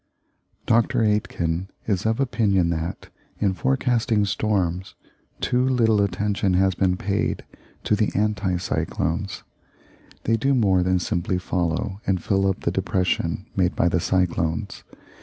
Dr. Aitken is of opinion that, in forecasting storms, too little attention has been paid to the anti cyclones. They do more than simply follow and fill up the depression made by the cyclones.